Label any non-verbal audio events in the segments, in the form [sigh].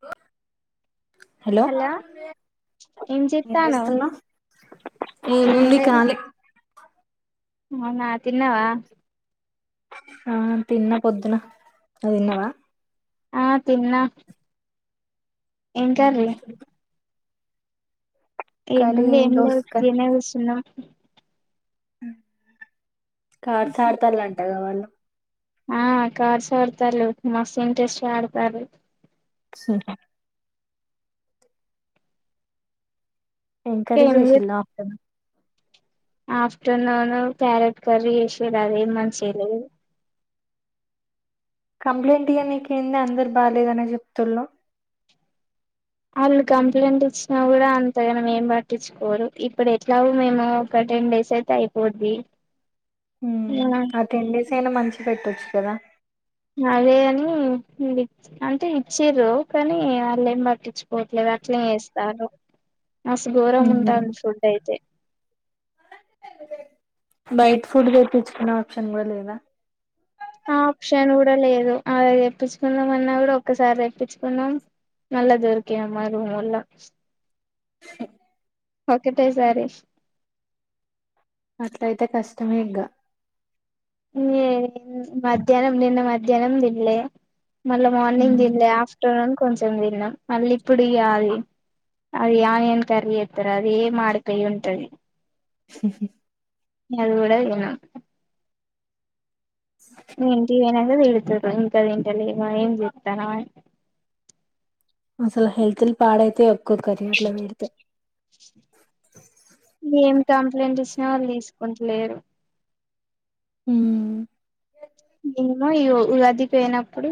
పో హలో ఏం చెత్తానవ్ ఏం ఏముంది లేదు ఖాళీ అవునా తిన్నావా ఆ తిన్న పొద్దున్న నువ్వు తిన్నవా ఆ తిన్నా ఏం చేస్తున్నావ్ ఏం ఉంది ఏం లేదు దోసకాయ్ ఉత్తిగనే కూసున్నం ఉ కాడ్స్ ఆడతాళ్లు అంటగా వాళ్ళు ఆ కాడ్స్ ఆడతాళ్లు మస్తు ఇంట్రెస్ట్ గా ఆడతాళ్లు హు ఏం కర్రి చేసిండ్రు ఆఫ్టర్నూన్ ఆఫ్టర్నూన్ క్యారెట్ కర్రీ చేసిండ్రు అదేం మంచిగా లేదు కంప్లైంట్ ఇయనికే వెళ్నాం అందరు బాలేేదనే చెప్తుండ్రు వాళ్ళు కంప్లైంట్ ఇచ్చినా కూడా అంతగా మేం పట్టించుకోరు ఇప్పుడు ఎట్లా మేము టెన్ డేస్ అయితే అయిపోద్ది మ్మ్ ఆ టెన్ డేస్ అయినా మంచి పెట్టొచ్చు కదా అదే [unintelligible] కానీ వాళ్ళు ఏం పట్టిచ్చుకోవట్లేదు అట్లే చేస్తారు మస్తు ఘోరంగా ఉంటాది ఫుడ్ అయితే బయటి ఫుడ్ తెప్పించుకునే ఆప్షన్ కూడా లేదా ఆ ఆప్షన్ కూడా లేదు. ఆ తెప్పించుకుందాం అన్నా కూడా ఒక్కసారి తెప్పించుకున్నాం మళ్ళా డోర్ తీయరు [unintelligible] ఒకటేసారి అట్లయితే కష్టమే ఇగ ఏ మధ్యాహ్నం నిన్న మధ్యాహ్నం తిన్లే మళ్ళా మార్నింగ్ తినలే, ఆఫ్టర్నూన్ కొంచెం తిన్నాం మళ్ళీ ఇప్పుడు ఇయ్యాల అది ఆనియన్ కర్రీ చేత్తారు అది మాడిపోయి ఉంటది స స ఇంక అది కూడా అంతేనా ఏం చేయలేదని [unintelligible] అసలు హెల్తులు పాడయితాయ్ ఎక్కువ కర్రి అట్ల పెడితే మేము కంప్లైంట్ ఇచ్చినా వాళ్ళు తీసుకుంటలేరు మ్మ్ [unintelligible] అది పోయినప్పుడు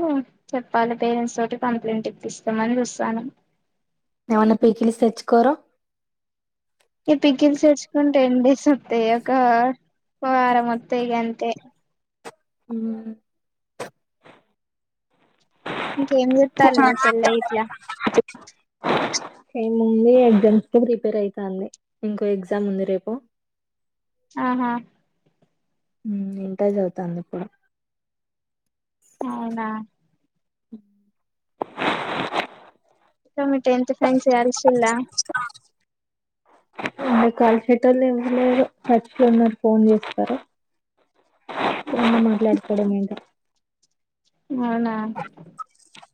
చెప్పాలి పేరెంట్స్ తోటి కంప్లైంట్ ఇప్పిస్తామని చూస్తన్నం ఏమన్నా పికిల్స్ తెచ్చుకోరో ఈ పిక్కిల్స్ తెచ్చుకుంటే టెన్ డేస్ వస్తాయి ఒక వారం ఒత్తయ్ ఇగ అంతే మ్మ్ ఇంకేం చేత్తన్నావ్ మీ చెల్ల ఇంట్లో అ ఏముంది ఎగ్జామ్స్ కు ప్రిపేర్ అవుతాంది ఇంకో ఎగ్జామ్ ఉంది రేపు ఆహా మ్మ్ ఇంటర్ చదువుతాంది ఇప్పుడు అవునా మీ టెన్త్ ఫ్రెండ్స్ కలిసిండా అ వాళ్ళు కలిసేటోళ్ళు ఐతే ఖచ్చితం గా నాకు ఫోన్ చేస్తారు మాట్లాడిత్త [inaudible] అవునా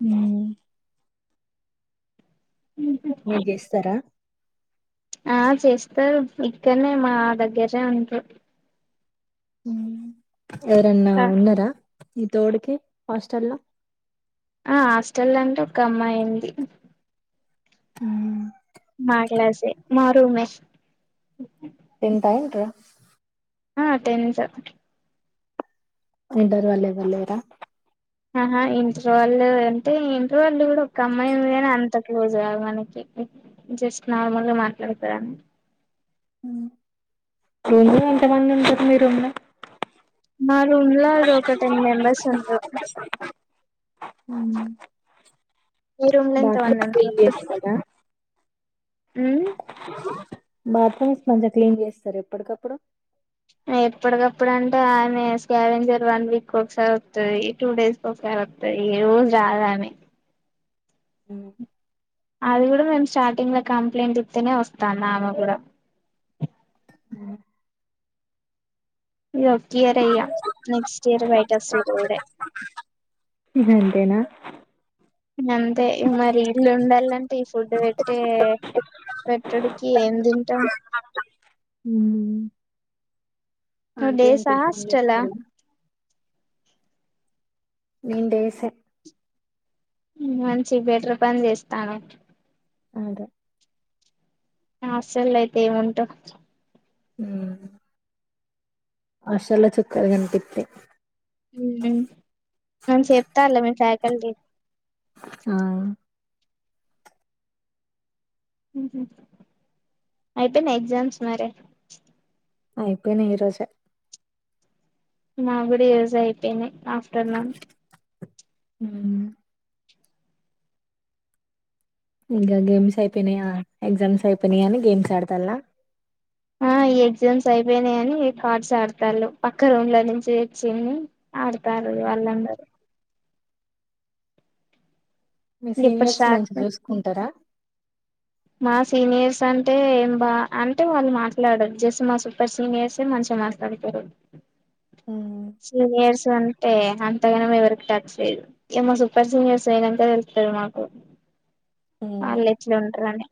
హ్మ్మ్ మీర్ చేస్తారా ఆ చేస్తారు ఇక్కనే మా దగ్గరే ఉంటారు మ్మ్ ఎవరన్నా ఉన్నారా నీ తోడికి హాస్టల్ లో ఆ హాస్టల్ అంటే ఒక అమ్మాయి ఉంది హ్మ్మ్ మా క్లాసే మా రూమే టెంతా, ఇంటరా ఆ టెన్త్ మీ [unintelligible] వాళ్ళు ఎవరు లేరా ఆహా ఇంటిలో వాళ్ళు అంటే ఇంటి వాళ్ళు కూడా ఒక అమ్మాయి ఉంది కానీ అంత క్లోజ్ కాదు మనకి జస్ట్ నార్మల్గా మాట్లాడతారని ఏంది అంత మంది ఉన్నారు మీ రూమ్ లో మా రూమ్ లో ఒక టెన్ మెంబెర్స్ ఉంటారు ఉమ్ మీ రూమ్ లో ఎంత మంది బాత్రూమ్ క్లీన్ చేస్తాదా ఊ బాత్రూమ్స్ మంచిగా క్లీన్ చేస్తారా ఎప్పటికప్పుడు ఎప్పటికప్పుడు అంటే ఆమె స్కావెంజర్ వన్ వీక్ ఒకసారి వస్తది టూ డేస్కి ఒకసారి వస్తది ఈ రోజు రాదామె ఉ అది కూడా మేము స్టార్టింగ్ లో కంప్లైంట్ ఇస్తేనే వస్తాంది ఆమే కూడా ఉ ఈ ఒక ఇయర్ ఇక నెక్స్ట్ ఇయర్ బై ఇక ఇంతేనా లంటే ఈ ఫుడ్ పెట్టే పెట్టడికి ఏం తింటాం ఉమ్ నువ్వు ఆంటీ డేసా అంకుల్ ఫోన్ హాస్టలా చేస్తారా నేను దోశ మంచి బెటర్ పని చేస్తానా అదే హాస్టల్ లైఫ్ అంతే మ్మ్ హాస్టల్లో చుక్కలు కనిపిస్తాయి ఈవినింగ్ నేను చెప్తాలే ఫ్యాకల్టీ ఆ ఉహు అయితే నా ఎగ్జామ్స్ ను రాయ్ అయిపోయినాయ్ ఈ రోజే నా కూడా ఈ రోజే అయిపోయినాయ్ ఆఫ్టర్నూన్ ఉమ్ ఇంకా గేమ్స్ అయిపోయినాయా ఎగ్జామ్స్ అయిపోయినాయని గేమ్స్ ఆడతావ ఆ ఎగ్జామ్స్ అయిపోయినాయని కార్డ్స్ ఆడతానా పక్క రూంలో నుంచి వచ్చిని ఆడతానా వాళ్ళన్నారు మీ ఇప్పుడు సీనియర్స్ స్టార్ట్ మంచిగా చూసుకుంటారా మా సీనియర్స్ అంటే ఏం బా అంటే వాళ్ళు మాట్లాడరు జస్ట్ మా సూపర్ సీనియర్స్ మంచి మాట్లాడతారు సూపర్ సన్ అంటే అంతగానే ఎవరికి టచ్ లేదు ఇక మా సూపర్ సీనియర్స్ ఏమైనా అంటే తెలుస్తాది మాకు వాళ్ళ ఎట్ల ఉంటరనీ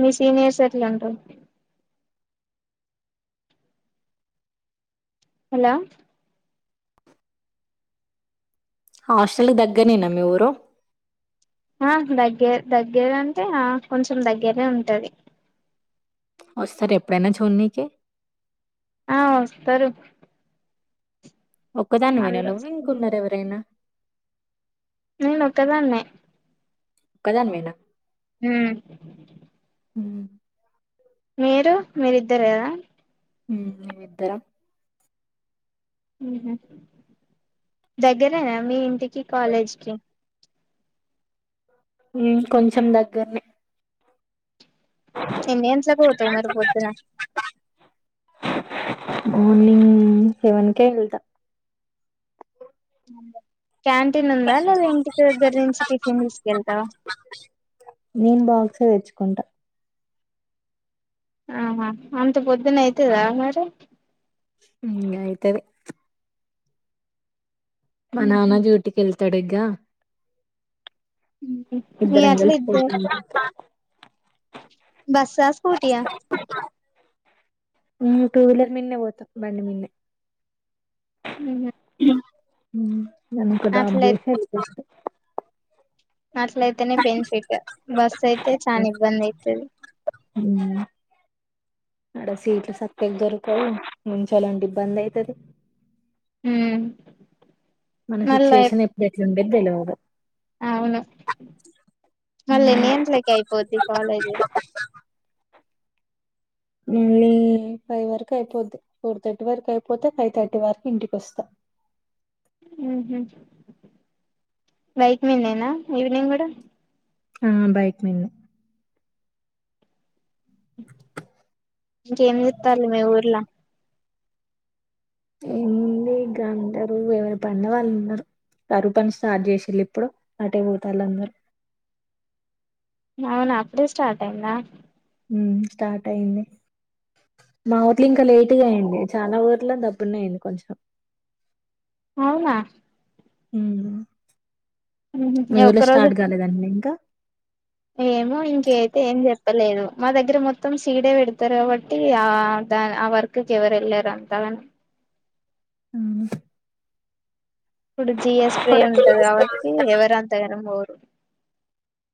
మీ సీనియర్స్ ఎట్లుంటరు హలో హాస్టల్ దగ్గరనేనా మీ ఊరు ఆ దగ్గ దగ్గర అంటే ఆ కొంచెం దగ్గరే ఉంటది వస్తారా ఎప్పుడైనా చూడన్నీకి ఆ వస్తారు ఒక్కదాన్నివే వాళ్ళు వెళ్ళాలా ఇంకన్నారా ఎవరైనా నేనొక్కదాన్నే ఒక్కదానివే నా ఉమ్ ఉమ్ మీరు మీరిద్దరేయా ఉమ్ ఇద్దరం మ్హు దగ్గరేనా మీ ఇంటికి కాలేజ్కి మ్మ్ కొంచం దగ్గర్నె ఎన్ని గంటలక్ పోతావు మరి పొద్దున మార్నింగ్ సెవెన్కే ఎల్త అ క్యాంటీన్ ఉందా లేదా ఇంటి దగ్గర నుంచి టిఫిన్ తీసుకెళ్తావా ఫేచ్కుంట ఆహా అంత పొద్దున అయితదా మరి మ్మ్గ్ అయితది మా ఉహు నాన డ్యూటీ కెల్తడ్ ఇగ ఇగ ఇద్దరం అట్లా కలిసి ఇద్ద పోతుము బస్సా స్కూటీయా మ్మ్ టూ వీలర్ మీన్నే పోతాం బండి మీన్నే మ్మ్ హ్ ఉమ్ నన్ అక్కడ్ డ్రాప్ జెస్ అస్తడు అట్లయితేనే బెనిఫిట్ బస్ అయితే చాన ఇబ్బందైతది ఉమ్మ్ అడ సీట్లు సక్కగ్ దొరుకవు నుంచోలాంటి ఇబ్బంద్ అయితది ఉమ్ మన మళ్ళా సిచ్యువేషన్ ఎప్పుడు ఏట్లుండేదో తెల్వదు అవును మల్లేన్ని గంటలక్ అయిపోద్ది ఉమ్. కాలేజ్ మ్మ్ లే ఫై ఫై వరక అయిపోద్ది ఫోర్ థర్టీ వరకు అయిపోతే ఫై థర్టీ వరకు ఇంటికొస్తా మ్మ్ హు బైక్ మీన్నేనా ఈవినింగ్ కూడ ఆ బైక్ మీన్నే ఇంకేం చెత్తాళ్ళు మీ ఊర్లా ఏంది గుంటరు ఎవరి పన్ల వాళ్ళున్నరు కరుపని స్టార్ట్ చేసిల్లిప్పుడు అటే పోతాల్ అందరూ అవున అప్పుడే స్టార్ట్ అయింద మ్ స్టార్ట్ అయింది మా ఊర్లింక లేటుగాయంది చాలా ఊర్ల దబ్బునైంది కొంచం అవ్నా మ్ ఉహు మీ ఈ ఊర్ల ఒక్క రోజు స్టార్ట్ కాలేదంట్నా ఇంకా ఏమో ఇంకైతే ఏం చెప్పలేదు మా దగ్గర మొత్తం సీడే పెడతారు కాబట్టి ఆ ద ఆ వర్క్ కేవర్ ఎల్లరు అంతవని మ్ ఇప్పుడు జియే స్ప్రే ఉంటది కాబట్టి ఎవరు అంతగనం పోరు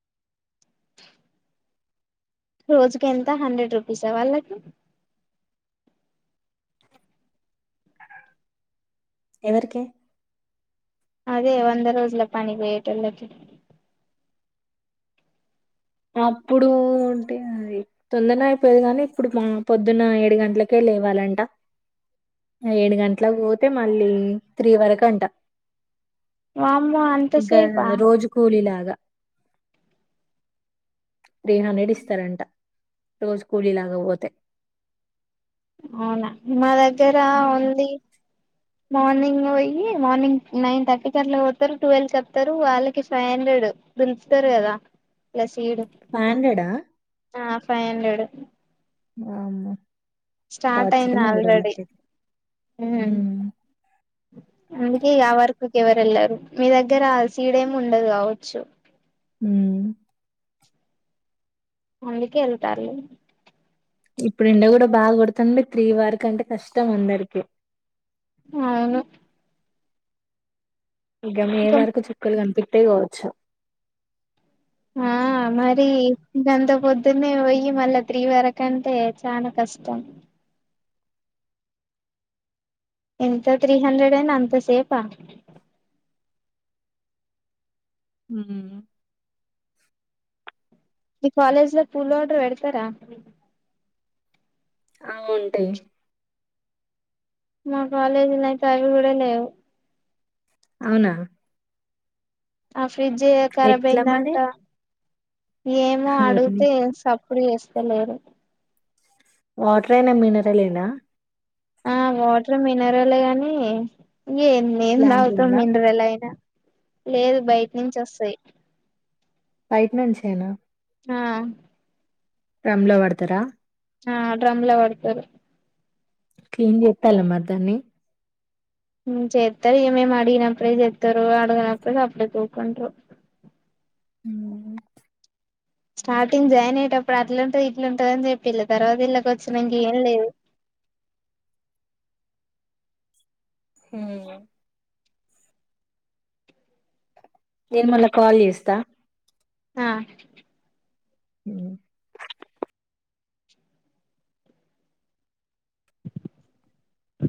అ [inaudible] రోజు కెంత హండ్రెడ్ రూపీసా వాళ్ళకి ఎవర్కి అదే వంద రోజుల పని పోయేటోల్లకి అప్పుడు టే తొందర్నే అయిపోయేది కానీ ఇప్పుడు మా పొద్దున్న ఏడు గంటల్కె ఎళ్ ఎవాలంట ఏడు గంట్ల్క పోతే మళ్ళీ త్రీ వరకంట వామ్మో ఇంకా అంతసేపా రోజు కూలి లాగా త్రీ హండ్రెడ్ ఇస్తారంట రోజు కూలీలాగా పోతే అవున మా దగ్గర ఉంది మార్నింగ్ పోయి మార్నింగ్ నైన్ థర్టీకి అట్ల పోతారు టువెల్క్ అత్తరు వాళ్ళకి ఫైవ్ హండ్రె ఎడ్ దుల్పుతర్ కదా లస్ ఫైహండ్రెడా ఆ ఫై హండ్రెడ్ బాబ స్టార్ట్ అయింది ఆల్రెడీ ఉమ్, అందుకే ఆ వర్క్ కి ఎవరు వెళ్లరు మీ దగ్గర సీడ్ ఏమి ఉండదు కావచ్చు హ అందుకే ఎళ్తాలు ఇప్పుడు ఎండా కూడా బాగా కొడుతుంది మీ త్రీ వరకు అంటే కష్టం అందరికి అవును ఇక మే ఇంకా వరకు చుక్కలు కనిపితాయి కావచ్చు ఆ మరి గంత పొద్దున్న పోయి మళ్ళా త్రీ వరకంటే చాలా కష్టం ఎంత త్రీ హండ్రెడ్ అయినా అంత సేపా హ ఈ కాలేజ్ లో కూల్ వాటర్ పెడతారా ఆ ఉంటాయి మా కాలేజిలా అయితే అవి కూడా లేవు అవునా ఆ ఫ్రిడ్జ్ కరబ్ ఎట్లా మరి అయిందట ఏమో ఓర్ని అడిగుతే సపు డు చేస్తలేరు వాటర్ అయినా మినరల్ ఏనా మినరల్ గాని ఇగ ఏం ప్లాంట్ తాగుతాము ఉందా మినరల్ అయినా లేదు బయట నుంచి వస్తాయి బైట్నుంచే నా ఆ డ్రమ్లో పడతారా ఆ డ్రమ్ లో పడతారు క్లీన్ చేతల్ల మరి దాన్ని చేతారు ఈ మేం అడిగినప్పుడే చేతారు అడగనప్పుడు సప్పుడేకా ఉకుంటరు హ స్టార్టింగ్ జాయిన్ అయ్యేటప్పుడు అట్లుంటుంది ఇట్లుంటుంది అని చెప్పిళ తర్వాత ఇల్లకి వచ్చినంక ఏం లేదు హ నేను మళ్ళా కాల్ చేస్తా ఆ హ